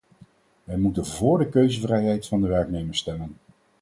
Wij moeten vóór de keuzevrijheid van de werknemers stemmen.